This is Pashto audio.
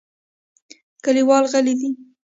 کلیوال غلي دي .